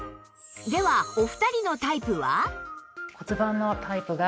ではお二人のタイプは？